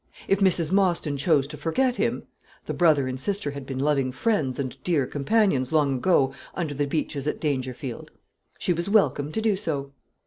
If Mrs. Mostyn chose to forget him, the brother and sister had been loving friends and dear companions long ago, under the beeches at Dangerfield, she was welcome to do so.